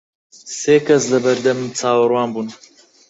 سێ کەس لە بەردەمم چاوەڕوان بوون.